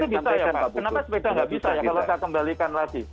kenapa sepeda nggak bisa ya kalau saya kembalikan lagi